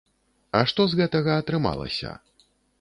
А што з гэтага атрымалася?